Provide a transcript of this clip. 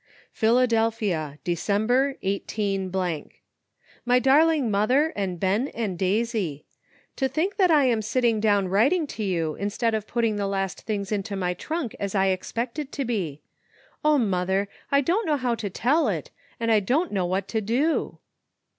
Philadelphia, December, 18 —. My darling Mother, and Ben and Daisy: To think that I am sitting down writing to you instead of putting the last things into my trunk as I expected to be ! 0, mother, I don't know how to tell it, and I don't know what to do.